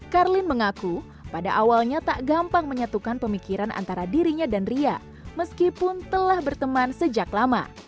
karlin mengaku pada awalnya tak gampang menyatukan pemikiran antara dirinya dan ria meskipun telah berteman sejak lama